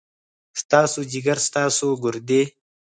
ستاسو ځيګر ، ستاسو ګردې ،